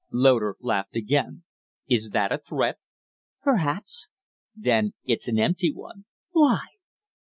Loder laughed again. "Is that a threat?" "Perhaps." "Then it's an empty one." "Why?"